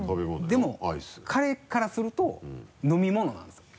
でも彼からすると飲み物なんですよ。